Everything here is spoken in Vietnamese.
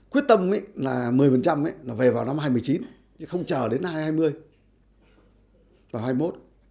quyết tâm một mươi là về vào năm hai nghìn một mươi chín không chờ đến hai nghìn hai mươi vào hai nghìn hai mươi một